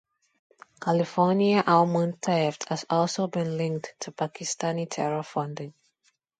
California almond theft has also been linked to Pakistani terror funding.